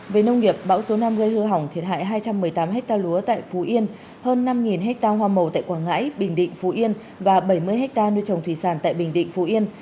về nông nghiệp bão số năm gây hư hỏng thiệt hại hai trăm một mươi tám hectare lúa tại phú yên hơn năm hectare hoa màu tại quảng ngãi bình định phú yên và bảy mươi hectare nuôi trồng thủy sản tại bình định phú yên